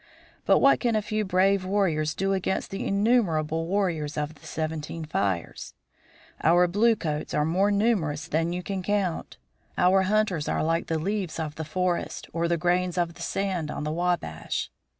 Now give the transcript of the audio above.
But what can a few brave warriors do against the innumerable warriors of the Seventeen Fires? Our blue coats are more numerous than you can count; our hunters are like the leaves of the forest, or the grains of sand on the Wabash.